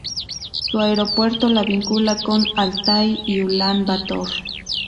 Su aeropuerto la vincula con Altai y Ulán Bator.